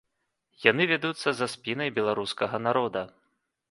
Яны вядуцца за спінай беларускага народа!